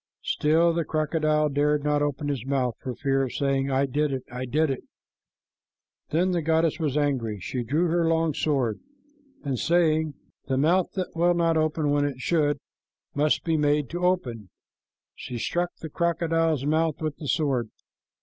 Still the crocodile dared not open his mouth for fear of saying, "I did it, I did it." Then the goddess was angry. She drew her long sword, and saying, "The mouth that will not open when it should must be made to open," she struck the crocodile's mouth with the sword.